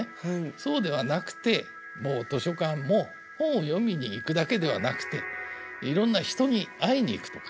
そうではなくてもう図書館も本を読みに行くだけではなくていろんな人に会いに行くとか。